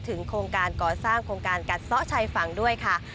โครงการก่อสร้างโครงการกัดซ่อชายฝั่งด้วยค่ะ